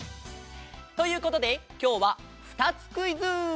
ということできょうはふたつクイズ！